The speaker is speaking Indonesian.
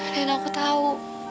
dan aku tahu